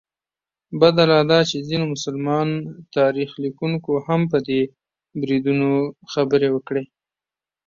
بده لا دا چې ځینو مسلمان تاریخ لیکونکو هم په دې بریدونو خبرې وکړې.